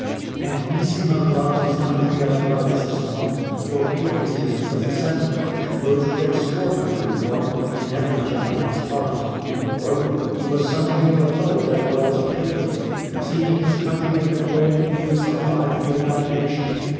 *" And Neesima loved his country as well as his home, for patriotism is a sentiment which glows with extraordinary warmth in every Japanese heart. Moreover, he was some thing of a poet as well as a patriot, seeing his country in the glowing hues of a lively imagination.